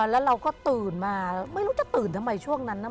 แล้วเราก็ตื่นมาไม่รู้จะตื่นทำไมช่วงนั้นนะ